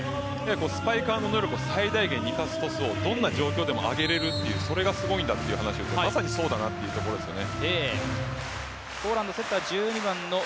スパイカーの能力を最大限に生かすトスをどんな状況でも上げれるってそれがすごいんだとまさにそうだなというところですよね。